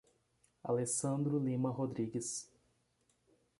Alessandro Lima Rodrigues